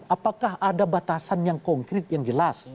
apakah ada batasan yang konkret yang jelas